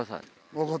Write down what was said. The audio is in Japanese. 分かった。